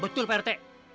betul pak rt